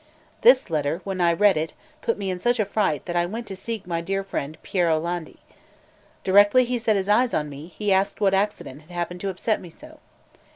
This letter, when I read it, put me in such a fright, that I went to seek my dear friend Piero Landi. Directly he set eyes on me, he asked what accident had happened to upset me so.